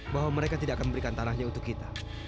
bahwa mereka tidak akan memberikan tanahnya untuk kita